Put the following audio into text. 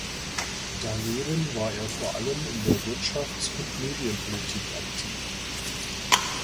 Daneben war er vor allem in der Wirtschafts- und Medienpolitik aktiv.